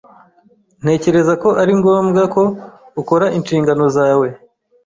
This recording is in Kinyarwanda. Ntekereza ko ari ngombwa ko ukora inshingano zawe.